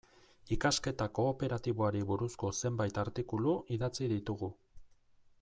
Ikasketa kooperatiboari buruzko zenbait artikulu idatzi ditugu.